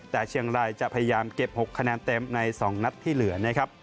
แต่เชียงไรจะพยายามเก็บ๖คะแนนเต็มใน๒นัทที่เหลือ